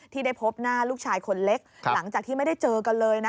ที่ได้พบหน้าลูกชายคนเล็กหลังจากที่ไม่ได้เจอกันเลยนะ